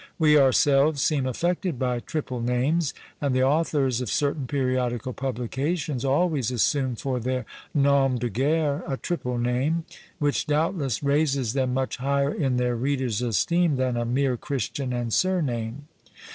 We ourselves seem affected by triple names; and the authors of certain periodical publications always assume for their nom de guerre a triple name, which doubtless raises them much higher in their reader's esteem than a mere Christian and surname.